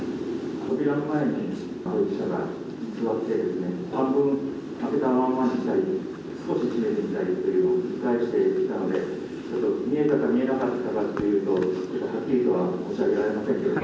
扉の前に当事者が座って、半分開けたままにしたり、少し閉めてみたりというのを繰り返していたので、見えたか見えなかったというのは、はっきりとは申し上げられませんけど。